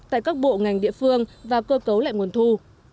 tại các bộ ngành địa phương và cơ cấu lại nguồn thu